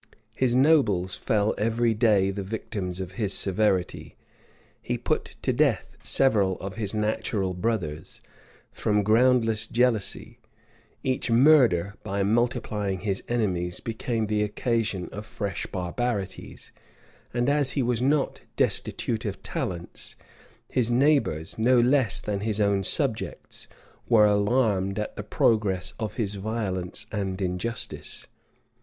His nobles fell every day the victims of his severity: he put to death several of his natural brothers, from groundless jealousy: each murder, by multiplying his enemies, became the occasion of fresh barbarities; and as he was not destitute of talents, his neighbors, no less than his own subjects, were alarmed at the progress of his violence and injustice.